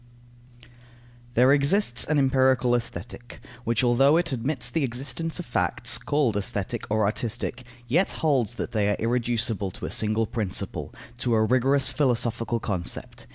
_ There exists an empirical Aesthetic, which although it admits the existence of facts, called aesthetic or artistic, yet holds that they are irreducible to a single principle, to a rigorous philosophical concept.